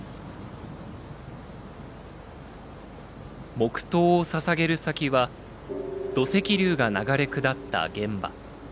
黙とうをささげる先は土石流が流れ下った現場。